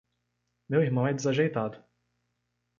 Meu irmão é desajeitado!